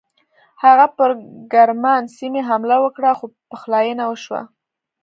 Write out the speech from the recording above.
هغه پر ګرمان سیمې حمله وکړه خو پخلاینه وشوه.